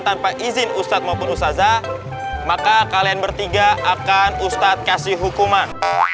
tanpa izin ustadz maupun usazah maka kalian bertiga akan ustadz kasih hukuman